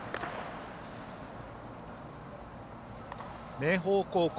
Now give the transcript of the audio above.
明豊高校